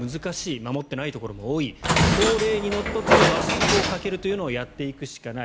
守っていないところも多い法令にのっとって罰則をかけるのをやっていくしかない。